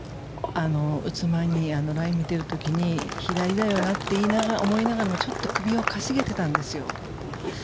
打つ前にラインを見ている時に左だよねと思いながらもちょっと首を傾げてたんですよ。